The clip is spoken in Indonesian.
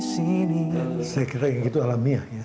saya kira itu alamiah